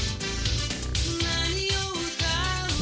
何を歌う？